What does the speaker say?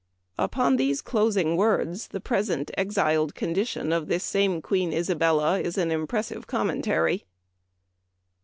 Upon these closing words the pres ent exiled condition of this same Queen Isabella is an impressive commentary.